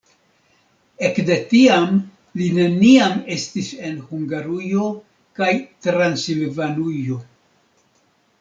Ekde tiam li neniam estis en Hungarujo kaj Transilvanujo.